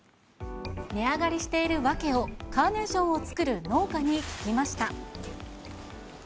値上がりしているわけを、カーネーションを作る農家に聞きました。